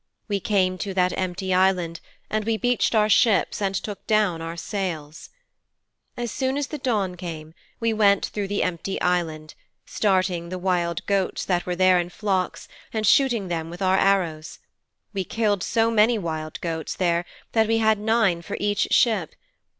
We came to that empty island, and we beached our ships and took down our sails.' 'As soon as the dawn came we went through the empty island, starting the wild goats that were there in flocks, and shooting them with our arrows. We killed so many wild goats there that we had nine for each ship.